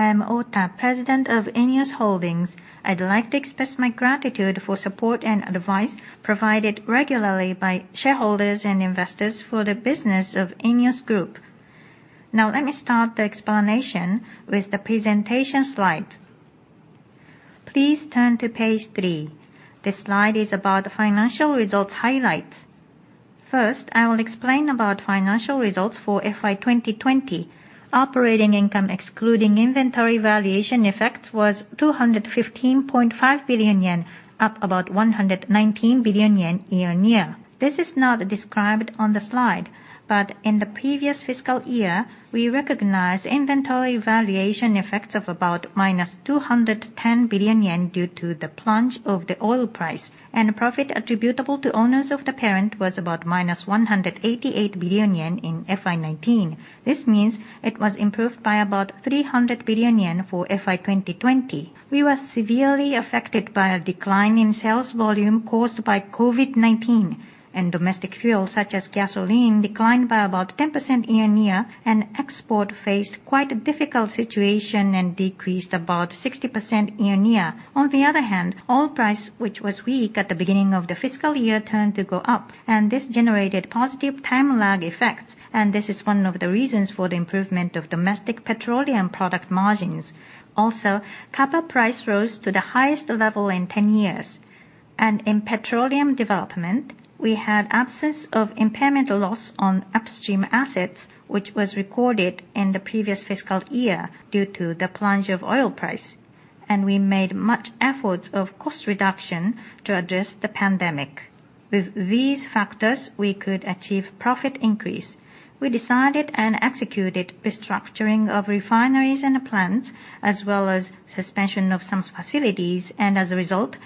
I am Ota, President of ENEOS Holdings. I'd like to express my gratitude for support and advice provided regularly by shareholders and investors for the business of ENEOS Group. Let me start the explanation with the presentation slide. Please turn to page three. This slide is about the financial results highlights. First, I will explain about financial results for FY 2020. Operating income, excluding inventory valuation effects, was 215.5 billion yen, up about 119 billion yen year-on-year. This is not described on the slide, but in the previous fiscal year, we recognized inventory valuation effects of about -210 billion yen due to the plunge of the oil price, and profit attributable to owners of the parent was about minus 188 billion yen in FY 2019. This means it was improved by about 300 billion yen for FY 2020. We were severely affected by a decline in sales volume caused by COVID-19, and domestic fuel, such as gasoline, declined by about 10% year-on-year, and export faced quite a difficult situation and decreased about 60% year-on-year. On the other hand, oil price, which was weak at the beginning of the fiscal year, turned to go up, and this generated positive time lag effects, and this is one of the reasons for the improvement of domestic petroleum product margins. Copper price rose to the highest level in 10 years. In petroleum development, we had absence of impairment loss on upstream assets, which was recorded in the previous fiscal year due to the plunge of oil price. We made much efforts of cost reduction to address the pandemic. With these factors, we could achieve profit increase. We decided and executed restructuring of refineries and plants, as well as suspension of some facilities, and as a result,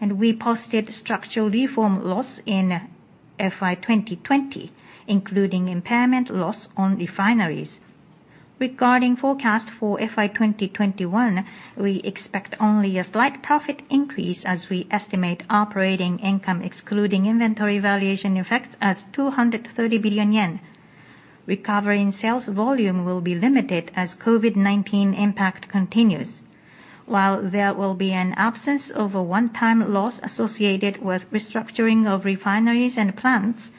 and we posted structural reform loss in FY 2020, including impairment loss on refineries. Regarding forecast for FY 2021, we expect only a slight profit increase as we estimate operating income, excluding inventory valuation effects, as 230 billion yen. Recovery in sales volume will be limited as COVID-19 impact continues. While there will be an absence of a one-time loss associated with restructuring of refineries and plants,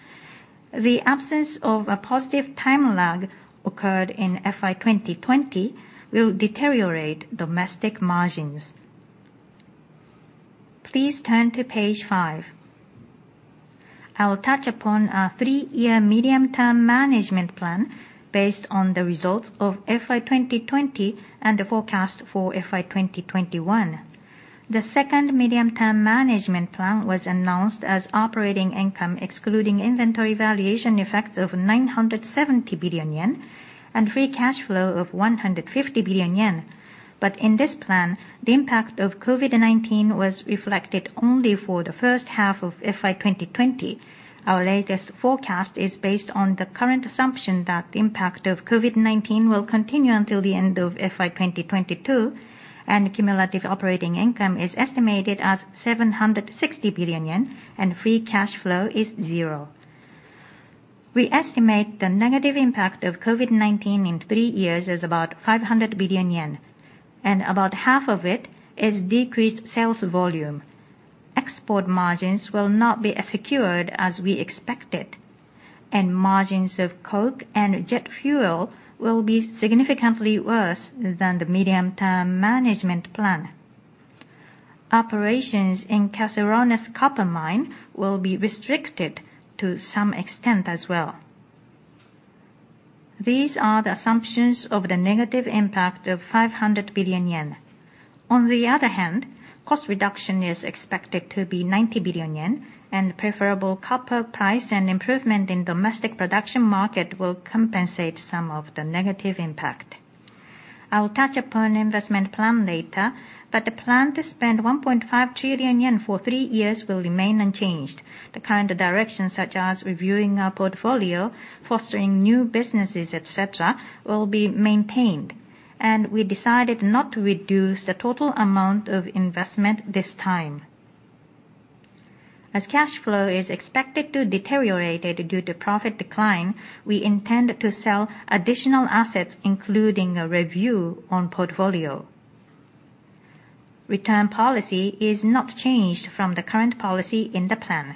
the absence of a positive time lag occurred in FY 2020 will deteriorate domestic margins. Please turn to page five. I will touch upon our three-year medium-term management plan based on the results of FY 2020 and the forecast for FY 2021. The second medium-term management plan was announced as operating income, excluding inventory valuation effects of 970 billion yen and free cash flow of 150 billion yen. In this plan, the impact of COVID-19 was reflected only for the first half of FY 2020. Our latest forecast is based on the current assumption that the impact of COVID-19 will continue until the end of FY 2022, and cumulative operating income is estimated as 760 billion yen, and free cash flow is zero. We estimate the negative impact of COVID-19 in three years is about 500 billion yen, and about half of it is decreased sales volume. Export margins will not be as secured as we expected, and margins of coke and jet fuel will be significantly worse than the medium-term management plan. Operations in Caserones Copper Mine will be restricted to some extent as well. These are the assumptions of the negative impact of 500 billion yen. On the other hand, cost reduction is expected to be 90 billion yen and preferable copper price and improvement in domestic production market will compensate some of the negative impact. I will touch upon investment plan later, but the plan to spend 1.5 trillion yen for three years will remain unchanged. The kind of direction, such as reviewing our portfolio, fostering new businesses, et cetera, will be maintained, and we decided not to reduce the total amount of investment this time. As cash flow is expected to deteriorated due to profit decline, we intend to sell additional assets, including a review on portfolio. Return policy is not changed from the current policy in the plan.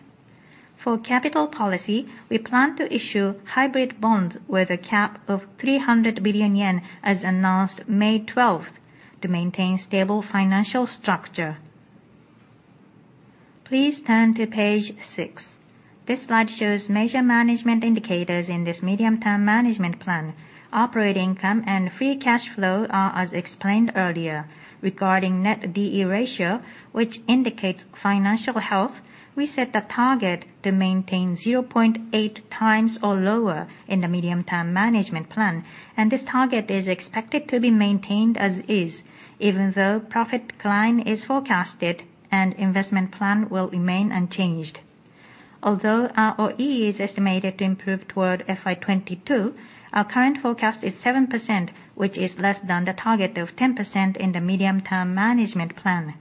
For capital policy, we plan to issue hybrid bonds with a cap of 300 billion yen as announced May 12th to maintain stable financial structure. Please turn to page six. This slide shows major management indicators in this medium-term management plan. Operating income and free cash flow are as explained earlier. Regarding net D/E ratio, which indicates financial health, we set a target to maintain 0.8x or lower in the medium-term management plan, and this target is expected to be maintained as is, even though profit decline is forecasted and investment plan will remain unchanged. Although ROE is estimated to improve toward FY22, our current forecast is 7%, which is less than the target of 10% in the medium-term management plan.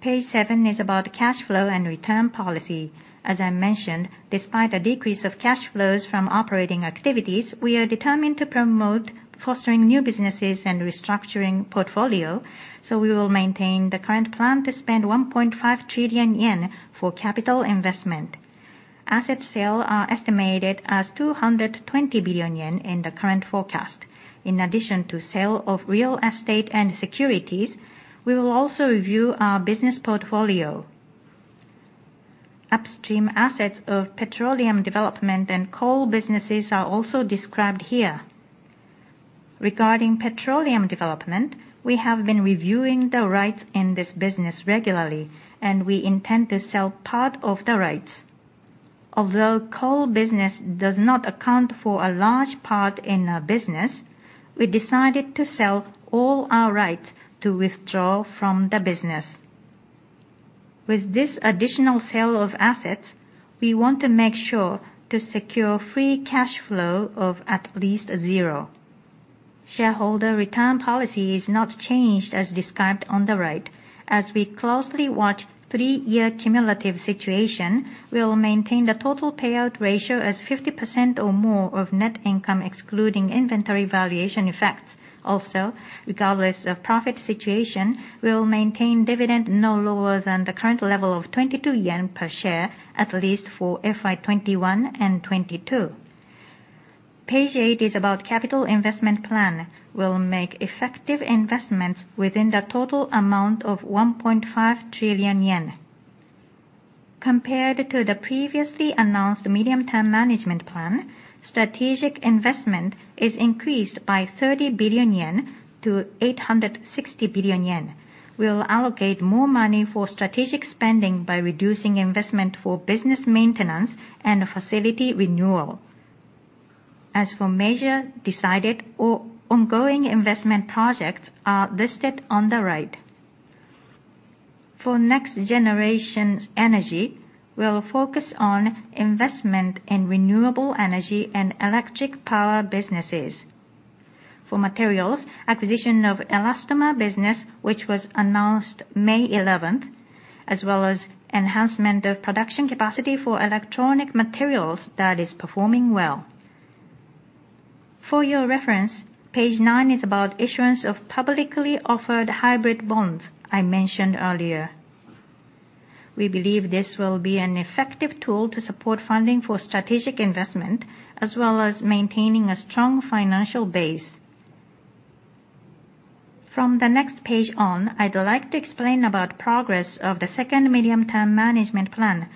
Page seven is about cash flow and return policy. As I mentioned, despite a decrease of cash flows from operating activities, we are determined to promote fostering new businesses and restructuring portfolio. We will maintain the current plan to spend 1.5 trillion yen for capital investment. Asset sale are estimated as 220 billion yen in the current forecast. In addition to sale of real estate and securities, we will also review our business portfolio. Upstream assets of petroleum development and coal businesses are also described here. Regarding petroleum development, we have been reviewing the rights in this business regularly, and we intend to sell part of the rights. Although coal business does not account for a large part in our business, we decided to sell all our rights to withdraw from the business. With this additional sale of assets, we want to make sure to secure free cash flow of at least zero. Shareholder return policy is not changed as described on the right. As we closely watch three-year cumulative situation, we'll maintain the total payout ratio as 50% or more of net income, excluding inventory valuation effects. Also, regardless of profit situation, we'll maintain dividend no lower than the current level of 22 yen per share, at least for FY 2021 and FY 2022. Page eight is about capital investment plan. We'll make effective investments within the total amount of 1.5 trillion yen. Compared to the previously announced medium-term management plan, strategic investment is increased by 30 billion-860 billion yen. We'll allocate more money for strategic spending by reducing investment for business maintenance and facility renewal. As for measure decided or ongoing investment projects are listed on the right. For next generation's energy, we'll focus on investment in renewable energy and electric power businesses. For materials, acquisition of elastomer business, which was announced May 11th, as well as enhancement of production capacity for electronic materials that is performing well. For your reference, page nine is about issuance of publicly offered hybrid bonds I mentioned earlier. We believe this will be an effective tool to support funding for strategic investment, as well as maintaining a strong financial base. From the next page on, I'd like to explain about progress of the second medium-term management plan.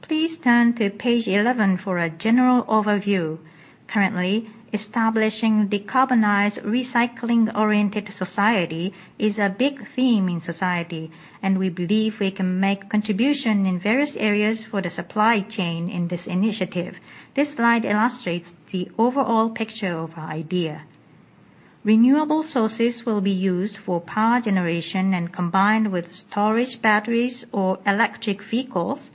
Please turn to page 11 for a general overview. Establishing decarbonized, recycling-oriented society is a big theme in society, and we believe we can make contribution in various areas for the supply chain in this initiative. This slide illustrates the overall picture of our idea. Renewable sources will be used for power generation, and combined with storage batteries or electric vehicles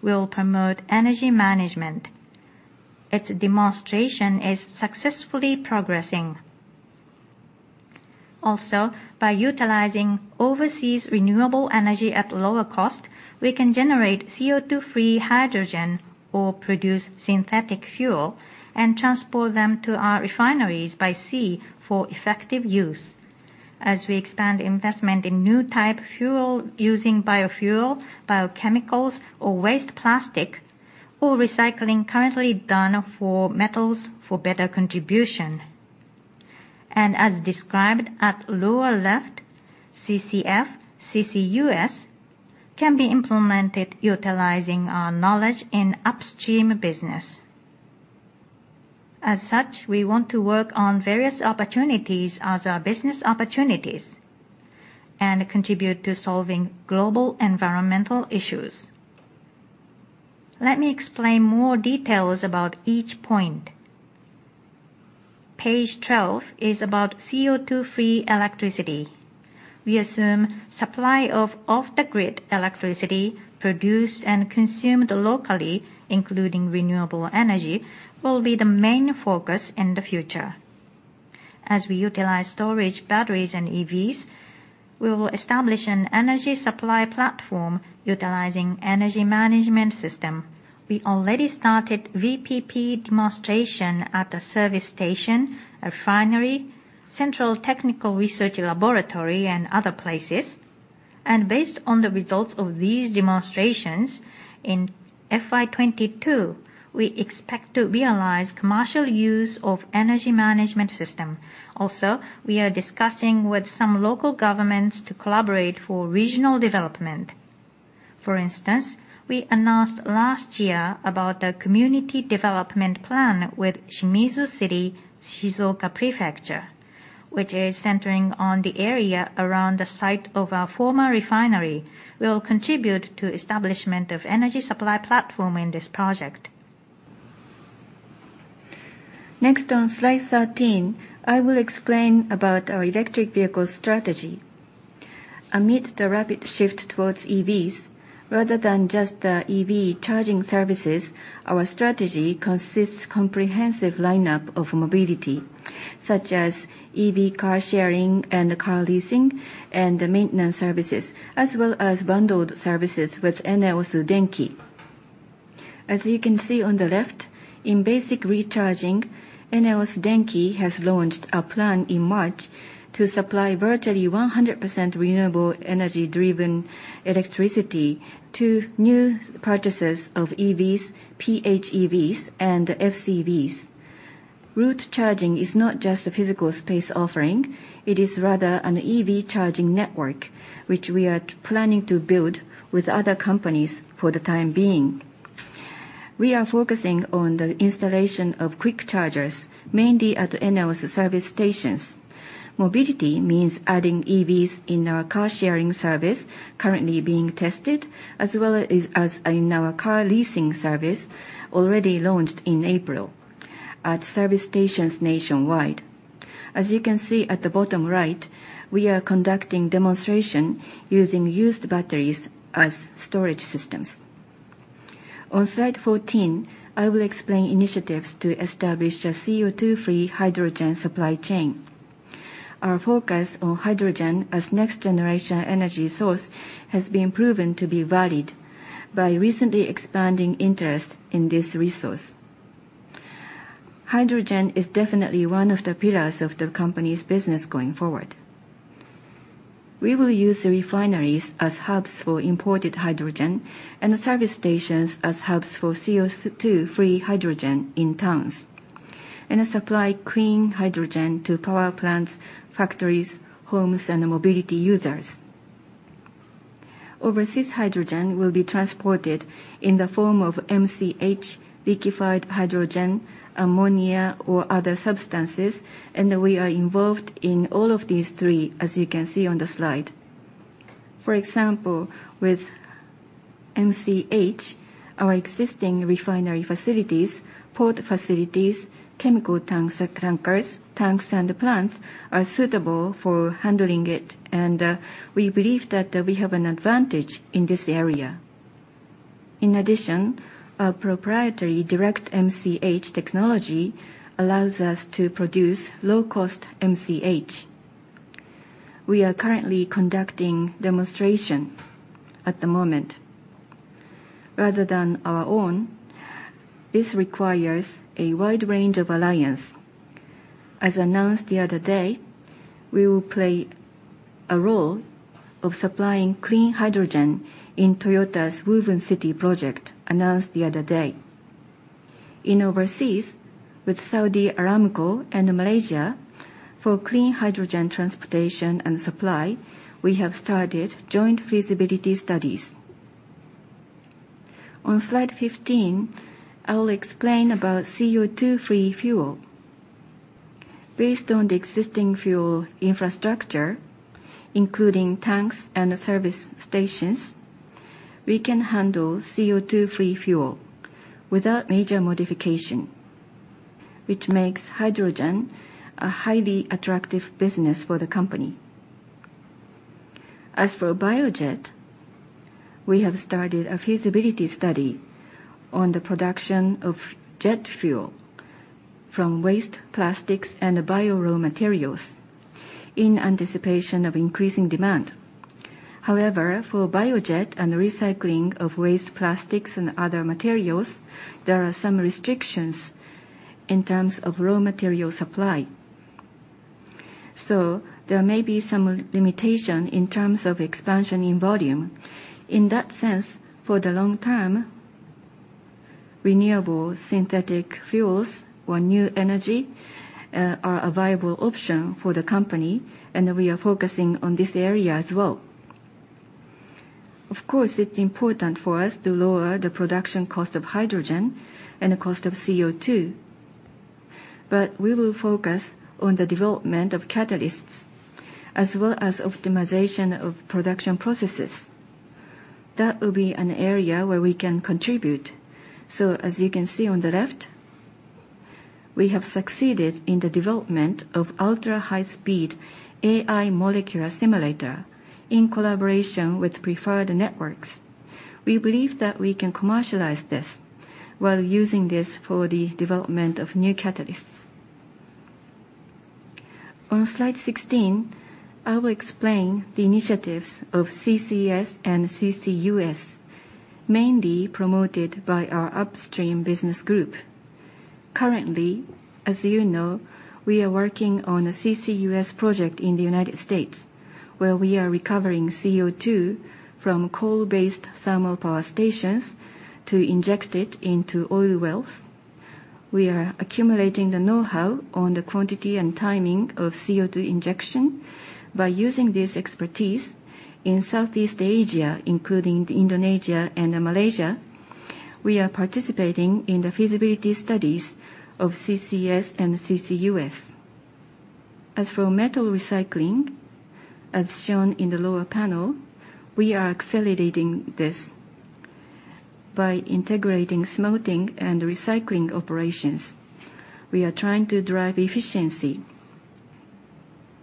will promote energy management. Its demonstration is successfully progressing. Also, by utilizing overseas renewable energy at lower cost, we can generate CO2-free hydrogen or produce synthetic fuel, and transport them to our refineries by sea for effective use, as we expand investment in new type fuel using biofuel, biochemicals or waste plastic, or recycling currently done for metals for better contribution. As described at lower left, CCS, CCUS can be implemented utilizing our knowledge in upstream business. As such, we want to work on various opportunities as our business opportunities and contribute to solving global environmental issues. Let me explain more details about each point. Page 12 is about CO2-free electricity. We assume supply of off-the-grid electricity produced and consumed locally, including renewable energy, will be the main focus in the future. As we utilize storage batteries and EVs, we will establish an energy supply platform utilizing energy management system. We already started VPP demonstration at the service station, a refinery, central technical research laboratory, and other places. Based on the results of these demonstrations in FY 2022, we expect to realize commercial use of energy management system. We are discussing with some local governments to collaborate for regional development. For instance, we announced last year about the community development plan with Shimizu City, Shizuoka Prefecture, which is centering on the area around the site of our former refinery. We'll contribute to establishment of energy supply platform in this project. Next on slide 13, I will explain about our electric vehicle strategy. Amid the rapid shift towards EVs Rather than just the EV charging services, our strategy consists comprehensive lineup of mobility, such as EV car sharing and car leasing, and maintenance services, as well as bundled services with ENEOS Denki. As you can see on the left, in basic recharging, ENEOS Denki has launched a plan in March to supply virtually 100% renewable energy-driven electricity to new purchasers of EVs, PHEVs, and FCVs. Route charging is not just a physical space offering. It is rather an EV charging network, which we are planning to build with other companies for the time being. We are focusing on the installation of quick chargers, mainly at ENEOS service stations. Mobility means adding EVs in our car-sharing service currently being tested, as well as in our car leasing service already launched in April at service stations nationwide. As you can see at the bottom right, we are conducting demonstration using used batteries as storage systems. On slide 14, I will explain initiatives to establish a CO2-free hydrogen supply chain. Our focus on hydrogen as next generation energy source has been proven to be valid by recently expanding interest in this resource. Hydrogen is definitely one of the pillars of the company's business going forward. We will use the refineries as hubs for imported hydrogen and service stations as hubs for CO2-free hydrogen in towns, and supply clean hydrogen to power plants, factories, homes, and mobility users. Overseas hydrogen will be transported in the form of MCH, liquefied hydrogen, ammonia, or other substances, and we are involved in all of these three, as you can see on the slide. For example, with MCH, our existing refinery facilities, port facilities, chemical tanks and plants are suitable for handling it, and we believe that we have an advantage in this area. In addition, our proprietary Direct MCH technology allows us to produce low-cost MCH. We are currently conducting demonstration at the moment. Rather than our own, this requires a wide range of alliance. As announced the other day, we will play a role of supplying clean hydrogen in Toyota's Woven City project, announced the other day. In overseas, with Saudi Aramco and Malaysia, for clean hydrogen transportation and supply, we have started joint feasibility studies. On slide 15, I will explain about CO2-free fuel. Based on the existing fuel infrastructure, including tanks and service stations, we can handle CO2-free fuel without major modification, which makes hydrogen a highly attractive business for the company. As for biojet, we have started a feasibility study on the production of jet fuel from waste plastics and bio raw materials in anticipation of increasing demand. For biojet and recycling of waste plastics and other materials, there are some restrictions in terms of raw material supply. There may be some limitation in terms of expansion in volume. In that sense, for the long term, renewable synthetic fuels or new energy are a viable option for the company, and we are focusing on this area as well. Of course, it's important for us to lower the production cost of hydrogen and the cost of CO2. We will focus on the development of catalysts, as well as optimization of production processes. That will be an area where we can contribute. As you can see on the left, we have succeeded in the development of ultra-high speed AI molecular simulator in collaboration with Preferred Networks. We believe that we can commercialize this while using this for the development of new catalysts. On slide 16, I will explain the initiatives of CCS and CCUS, mainly promoted by our upstream business group. Currently, as you know, we are working on a CCUS project in the United States, where we are recovering CO2 from coal-based thermal power stations to inject it into oil wells. We are accumulating the knowhow on the quantity and timing of CO2 injection. By using this expertise in Southeast Asia, including Indonesia and Malaysia, we are participating in the feasibility studies of CCS and CCUS. For metal recycling, as shown in the lower panel, we are accelerating this by integrating smelting and recycling operations. We are trying to drive efficiency.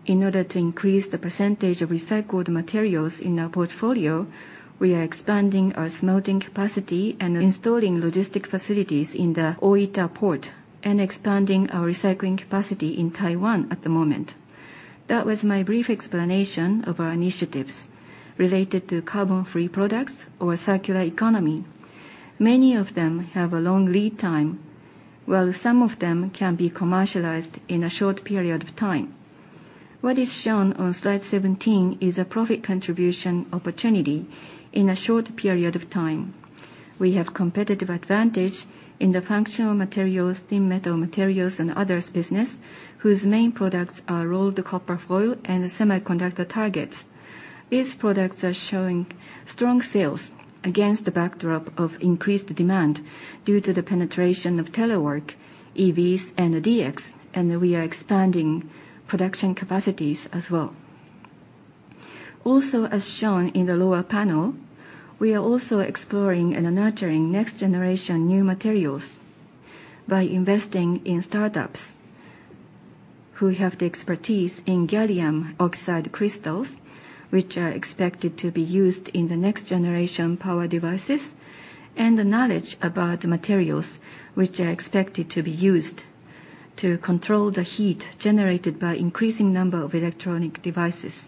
In order to increase the percentage of recycled materials in our portfolio, we are expanding our smelting capacity and installing logistic facilities in the Ōita port, and expanding our recycling capacity in Taiwan at the moment. That was my brief explanation of our initiatives related to carbon-free products or circular economy. Many of them have a long lead time, while some of them can be commercialized in a short period of time. What is shown on slide 17 is a profit contribution opportunity in a short period of time. We have competitive advantage in the functional materials, thin metal materials, and others business, whose main products are rolled copper foil and sputtering targets. These products are showing strong sales against the backdrop of increased demand due to the penetration of telework, EVs, and DX. We are expanding production capacities as well. Also, as shown in the lower panel, we are also exploring and nurturing next generation new materials by investing in startups who have the expertise in gallium oxide crystals, which are expected to be used in the next generation power devices, and the knowledge about materials which are expected to be used to control the heat generated by increasing number of electronic devices.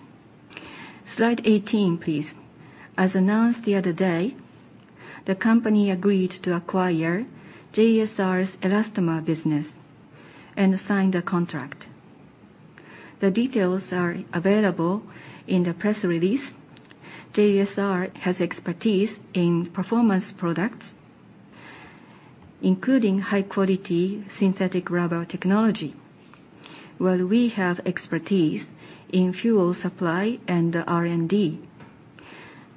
Slide 18, please. As announced the other day, the company agreed to acquire JSR's elastomer business and signed a contract. The details are available in the press release. JSR has expertise in performance products, including high-quality synthetic rubber technology, while we have expertise in fuel supply and R&D.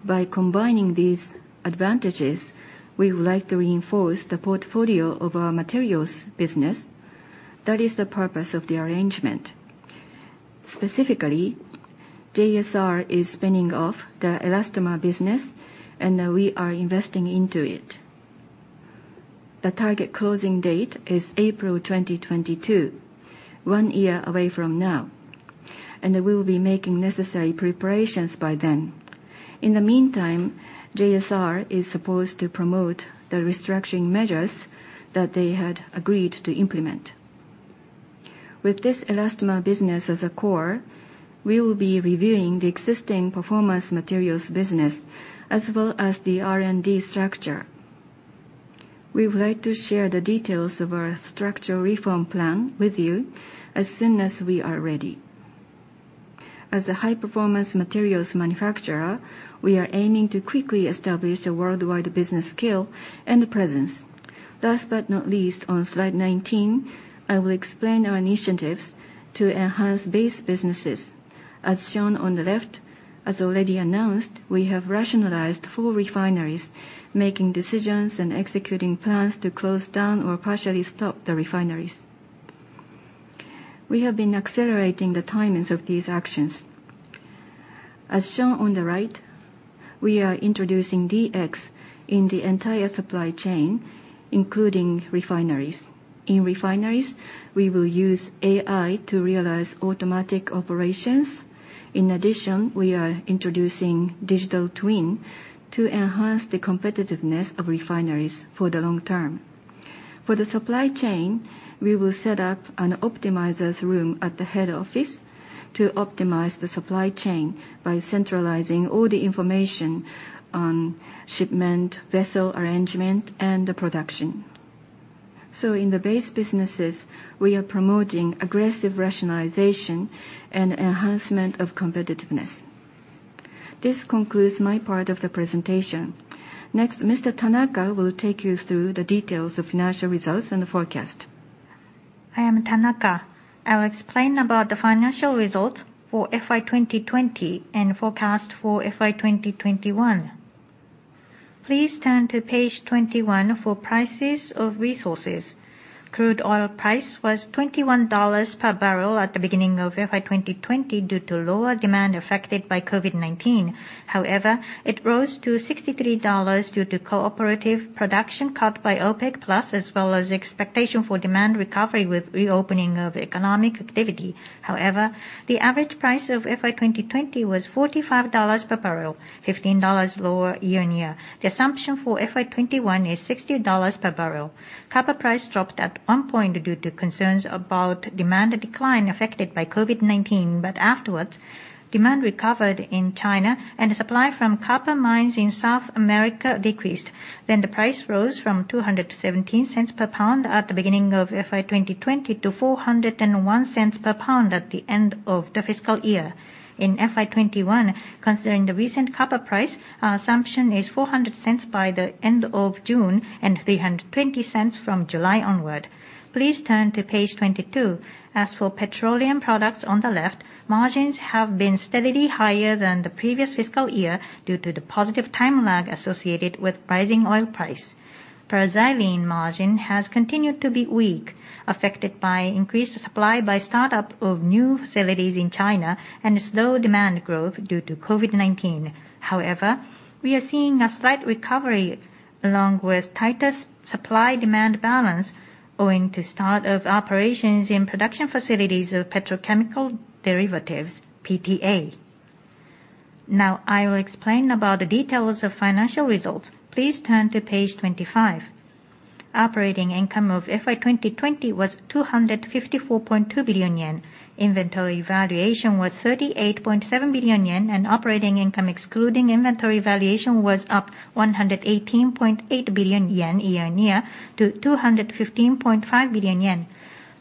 By combining these advantages, we would like to reinforce the portfolio of our materials business. That is the purpose of the arrangement. Specifically, JSR is spinning off the elastomer business, and we are investing into it. The target closing date is April 2022, one year away from now. We will be making necessary preparations by then. In the meantime, JSR is supposed to promote the restructuring measures that they had agreed to implement. With this elastomer business as a core, we will be reviewing the existing performance materials business as well as the R&D structure. We would like to share the details of our structural reform plan with you as soon as we are ready. As a high-performance materials manufacturer, we are aiming to quickly establish a worldwide business scale and presence. Last but not least, on slide 19, I will explain our initiatives to enhance base businesses. As shown on the left, as already announced, we have rationalized four refineries, making decisions and executing plans to close down or partially stop the refineries. We have been accelerating the timings of these actions. As shown on the right, we are introducing DX in the entire supply chain, including refineries. In refineries, we will use AI to realize automatic operations. In addition, we are introducing digital twin to enhance the competitiveness of refineries for the long term. For the supply chain, we will set up an optimizer's room at the head office to optimize the supply chain by centralizing all the information on shipment, vessel arrangement, and production. In the base businesses, we are promoting aggressive rationalization and enhancement of competitiveness. This concludes my part of the presentation. Next, Mr. Tanaka will take you through the details of financial results and the forecast. I am Tanaka. I'll explain about the financial results for FY 2020 and forecast for FY 2021. Please turn to page 21 for prices of resources. Crude oil price was $21 per barrel at the beginning of FY 2020 due to lower demand affected by COVID-19. It rose to $63 due to cooperative production cut by OPEC Plus, as well as expectation for demand recovery with reopening of economic activity. The average price of FY 2020 was $45 per barrel, $15 lower year-over-year. The assumption for FY 2021 is $60 per barrel. Copper price dropped at one point due to concerns about demand decline affected by COVID-19, afterwards, demand recovered in China and supply from copper mines in South America decreased. The price rose from $2.17 per pound at the beginning of FY 2020 to $401 per pound at the end of the fiscal year. In FY 2021, considering the recent copper price, our assumption is $400 by the end of June and $320 from July onward. Please turn to page 22. As for petroleum products on the left, margins have been steadily higher than the previous fiscal year due to the positive time lag associated with rising oil price. Paraxylene margin has continued to be weak, affected by increased supply by startup of new facilities in China and slow demand growth due to COVID-19. We are seeing a slight recovery along with tighter supply-demand balance owing to start of operations in production facilities of petrochemical derivatives, PTA. I will explain about the details of financial results. Please turn to page 25. Operating income of FY 2020 was 254.2 billion yen. Inventory valuation was 38.7 billion yen, and operating income excluding inventory valuation was up 118.8 billion yen year-on-year to 215.5 billion yen.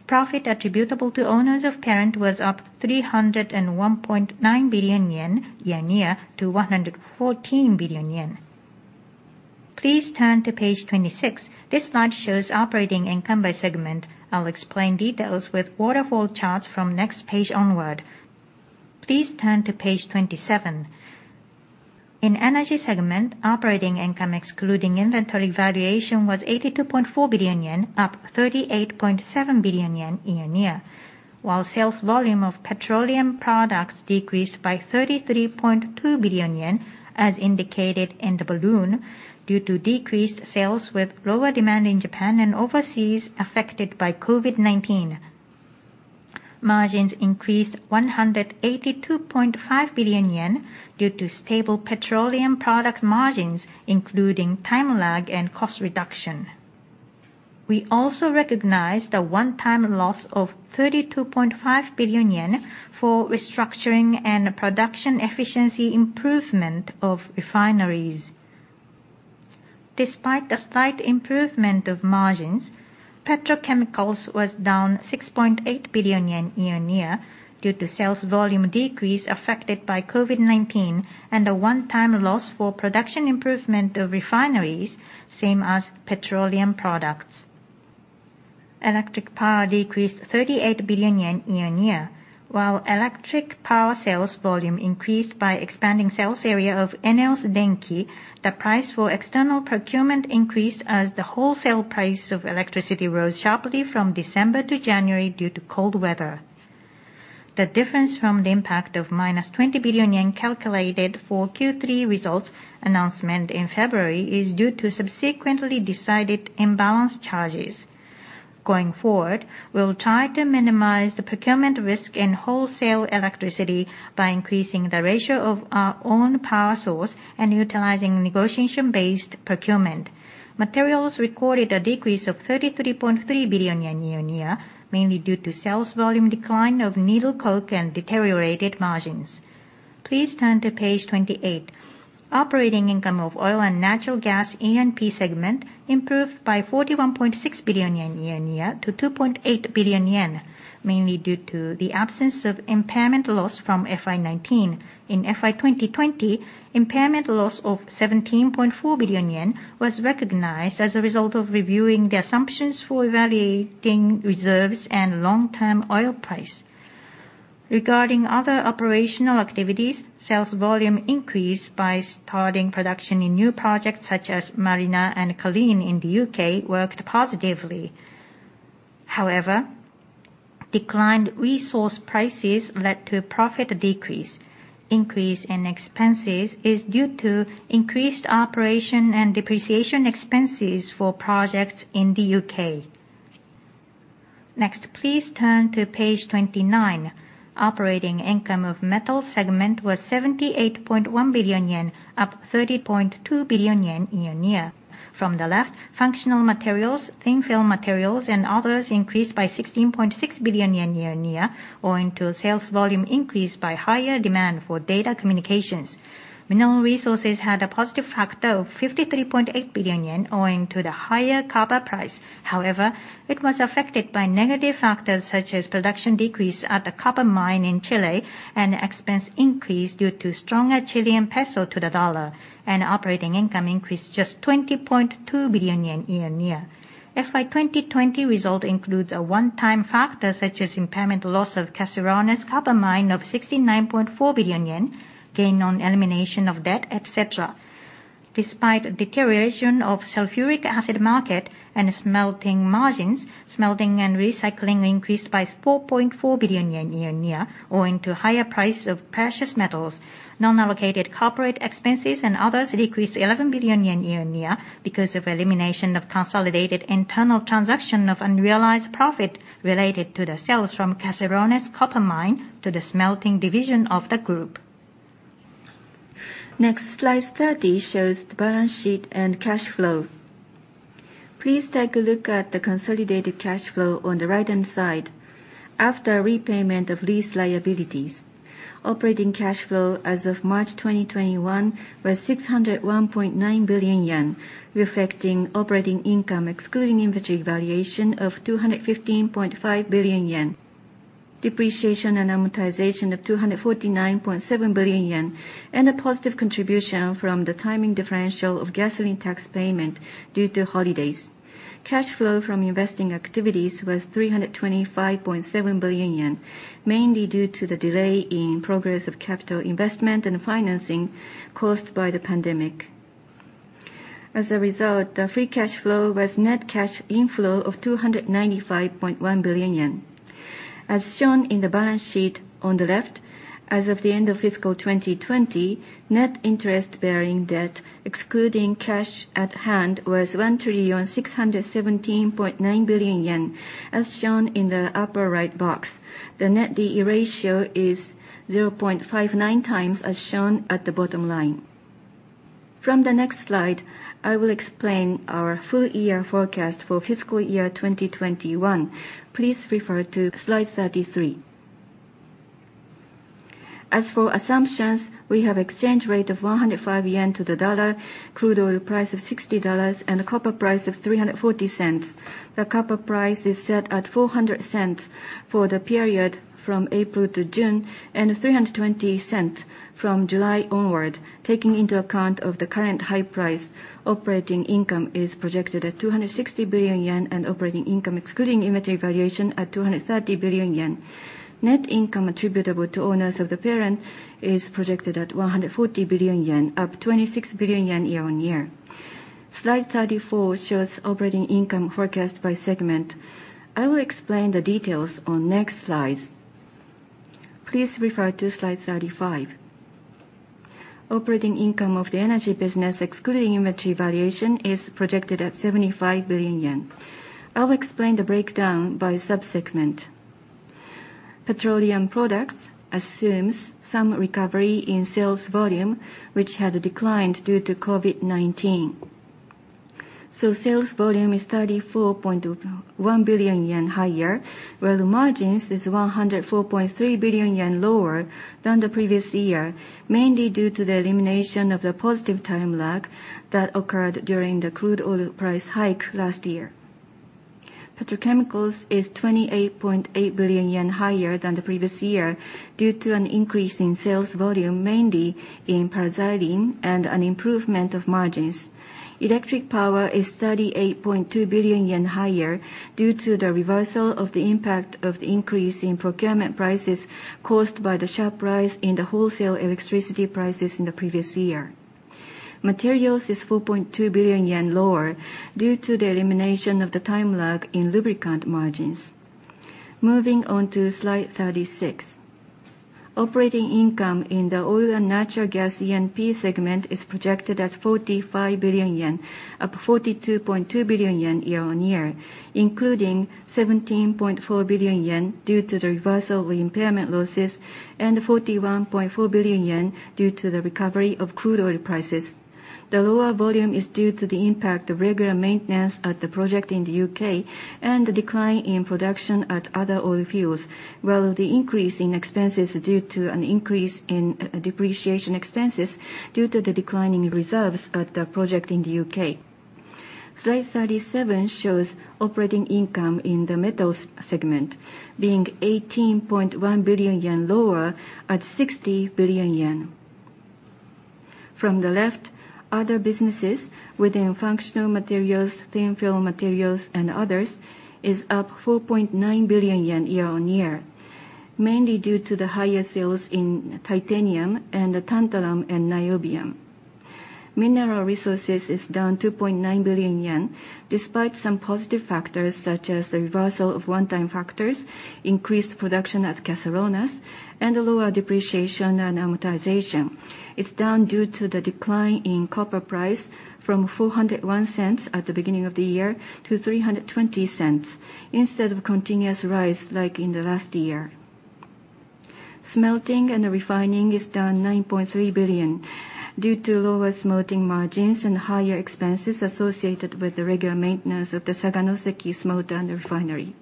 Profit attributable to owners of parent was up 301.9 billion yen year-on-year to 114 billion yen. Please turn to page 26. This slide shows operating income by segment. I'll explain details with waterfall charts from next page onward. Please turn to page 27. In energy segment, operating income excluding inventory valuation was 82.4 billion yen, up 38.7 billion yen year-on-year. While sales volume of petroleum products decreased by 33.2 billion yen, as indicated in the balloon, due to decreased sales with lower demand in Japan and overseas affected by COVID-19. Margins increased 182.5 billion yen due to stable petroleum product margins, including time lag and cost reduction. We also recognized a one-time loss of 32.5 billion yen for restructuring and production efficiency improvement of refineries. Despite the slight improvement of margins, petrochemicals was down 6.8 billion yen year-on-year due to sales volume decrease affected by COVID-19 and a one-time loss for production improvement of refineries, same as petroleum products. Electric power decreased 38 billion yen year-on-year. While electric power sales volume increased by expanding sales area of ENEOS Denki, the price for external procurement increased as the wholesale price of electricity rose sharply from December to January due to cold weather. The difference from the impact of minus 20 billion yen calculated for Q3 results announcement in February is due to subsequently decided imbalance charges. Going forward, we'll try to minimize the procurement risk in wholesale electricity by increasing the ratio of our own power source and utilizing negotiation-based procurement. Materials recorded a decrease of 33.3 billion yen year-on-year, mainly due to sales volume decline of needle coke and deteriorated margins. Please turn to page 28. Operating income of oil and natural gas, E&P segment, improved by 41.6 billion yen year-on-year to 2.8 billion yen, mainly due to the absence of impairment loss from FY19. In FY 2020, impairment loss of 17.4 billion yen was recognized as a result of reviewing the assumptions for evaluating reserves and long-term oil price. Regarding other operational activities, sales volume increased by starting production in new projects such as Mariner and Culzean in the U.K., worked positively. Declined resource prices led to a profit decrease. Increase in expenses is due to increased operation and depreciation expenses for projects in the U.K. Please turn to page 29. Operating income of metals segment was 78.1 billion yen, up 30.2 billion yen year-on-year. From the left, functional materials, thin film materials, and others increased by 16.6 billion yen year-on-year, owing to sales volume increased by higher demand for data communications. Mineral resources had a positive factor of 53.8 billion yen, owing to the higher copper price. It was affected by negative factors such as production decrease at the copper mine in Chile, and expense increase due to stronger Chilean peso to the dollar, and operating income increased just 20.2 billion yen year-on-year. FY 2020 result includes a one-time factor such as impairment loss of Caserones Copper Mine of 69.4 billion yen, gain on elimination of debt, et cetera. Despite deterioration of sulfuric acid market and smelting margins, smelting and recycling increased by 4.4 billion yen year-on-year, owing to higher price of precious metals. Non-allocated corporate expenses and others decreased 11 billion yen year-on-year because of elimination of consolidated internal transaction of unrealized profit related to the sales from Caserones Copper Mine to the smelting division of the Group. Slide 30 shows the balance sheet and cash flow. Please take a look at the consolidated cash flow on the right-hand side. After repayment of lease liabilities, operating cash flow as of March 2021 was 601.9 billion yen, reflecting operating income excluding inventory valuation of 215.5 billion yen, depreciation and amortization of 249.7 billion yen, and a positive contribution from the timing differential of gasoline tax payment due to holidays. Cash flow from investing activities was 325.7 billion yen, mainly due to the delay in progress of capital investment and financing caused by the pandemic. As a result, the free cash flow was net cash inflow of 295.1 billion yen. As shown in the balance sheet on the left, as of the end of FY 2020, net interest-bearing debt, excluding cash at hand, was 1,617.9 billion yen, as shown in the upper right box. The net D/E ratio is 0.59 times, as shown at the bottom line. From the next slide, I will explain our full-year forecast for fiscal year 2021. Please refer to slide 33. As for assumptions, we have exchange rate of 105 yen to the U.S. dollar, crude oil price of $60, and a copper price of $340. The copper price is set at $400 for the period from April to June, and $320 from July onward. Taking into account of the current high price, operating income is projected at 260 billion yen, and operating income excluding inventory valuation at 230 billion yen. Net income attributable to owners of the parent is projected at 140 billion yen, up 26 billion yen year-on-year. Slide 34 shows operating income forecast by segment. I will explain the details on next slides. Please refer to slide 35. Operating income of the energy business, excluding inventory valuation, is projected at 75 billion yen. I'll explain the breakdown by sub-segment. Petroleum products assumes some recovery in sales volume, which had declined due to COVID-19. Sales volume is 34.1 billion yen higher, where the margins is 104.3 billion yen lower than the previous year, mainly due to the elimination of the positive time lag that occurred during the crude oil price hike last year. Petrochemicals is 28.8 billion yen higher than the previous year due to an increase in sales volume, mainly in paraxylene, and an improvement of margins. Electric power is 38.2 billion yen higher due to the reversal of the impact of the increase in procurement prices caused by the sharp rise in the wholesale electricity prices in the previous year. Materials is 4.2 billion yen lower due to the elimination of the time lag in lubricant margins. Moving on to slide 36. Operating income in the oil and natural gas, E&P, segment is projected at 45 billion yen, up 42.2 billion yen year-on-year, including 17.4 billion yen due to the reversal of impairment losses and 41.4 billion yen due to the recovery of crude oil prices. The lower volume is due to the impact of regular maintenance at the project in the U.K. and the decline in production at other oil fields, while the increase in expenses is due to an increase in depreciation expenses due to the decline in reserves at the project in the U.K. Slide 37 shows operating income in the metals segment, being 18.1 billion yen lower at 60 billion yen. From the left, other businesses within functional materials, thin film materials, and others is up 4.9 billion yen year-on-year, mainly due to the higher sales in titanium and the tantalum and niobium. Mineral resources is down 2.9 billion yen, despite some positive factors such as the reversal of one-time factors, increased production at Caserones, and lower depreciation and amortization. It's down due to the decline in copper price from $401 at the beginning of the year to $320, instead of continuous rise like in the last year. Smelting and refining is down 9.3 billion due to lower smelting margins and higher expenses associated with the regular maintenance of the Saganoseki Smelter and Refinery.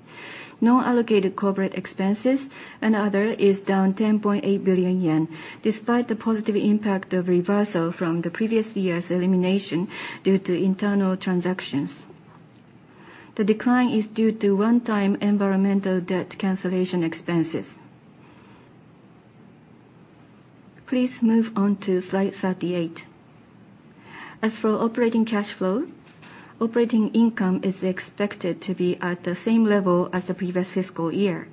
Non-allocated corporate expenses and other is down 10.8 billion yen, despite the positive impact of reversal from the previous year's elimination due to internal transactions. The decline is due to one-time environmental debt cancellation expenses. Please move on to slide 38. As for operating cash flow, operating income is expected to be at the same level as the previous fiscal year.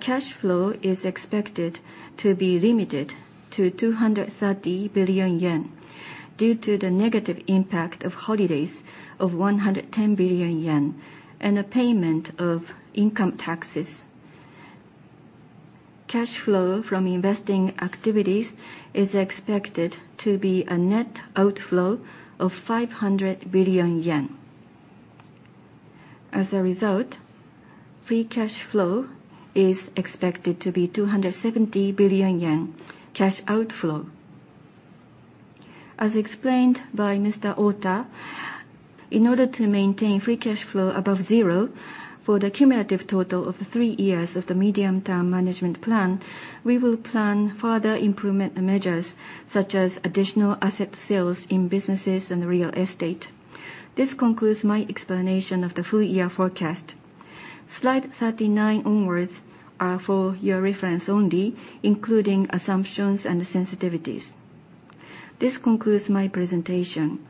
Cash flow is expected to be limited to 230 billion yen due to the negative impact of holidays of 110 billion yen and the payment of income taxes. Cash flow from investing activities is expected to be a net outflow of 500 billion yen. As a result, free cash flow is expected to be 270 billion yen cash outflow. As explained by Mr. Ota, in order to maintain free cash flow above zero for the cumulative total of the three years of the medium-term management plan, we will plan further improvement measures such as additional asset sales in businesses and real estate. This concludes my explanation of the full-year forecast. Slide 39 onwards are for your reference only, including assumptions and sensitivities. This concludes my presentation.